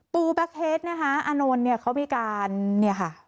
ปูแบ็คเฮดนะคะอานนท์เขามีการโพสต์